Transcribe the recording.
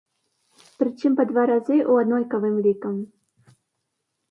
Прычым па два разы ў аднолькавым лікам.